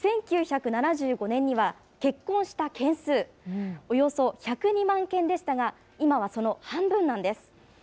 １９７５年には結婚した件数、およそ１０２万件でしたが、今はその半分なんです。